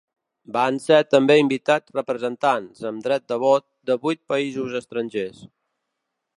Van ser també invitats representants, amb dret de vot, de vuit països estrangers.